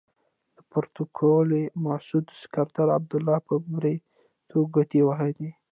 د پروتوکولي مسعود سکرتر عبدالله په بریتو ګوتې وهي.